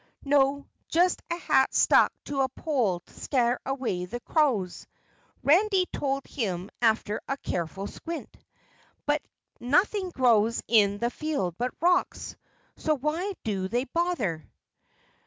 "No, just a hat stuck on a pole to scare away the crows," Randy told him after a careful squint. "But nothing grows in the field but rocks, so why do they bother?"